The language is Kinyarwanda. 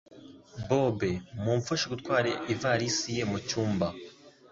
Bob, mumfashe gutwara ivarisi ye mucyumba